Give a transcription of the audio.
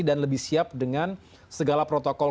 dan lebih siap dengan segala protokol